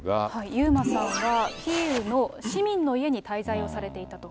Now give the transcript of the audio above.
遊馬さんはキーウの市民の家に滞在をされていたと。